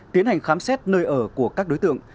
tiến hành khám xét nơi ở của các đối tượng